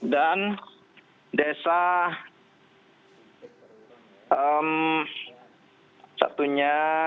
dan desa satunya